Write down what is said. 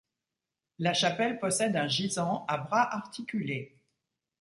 La chapelle possède un gisant à bras articulés.